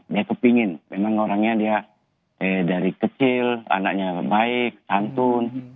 dia kepingin memang orangnya dia dari kecil anaknya baik santun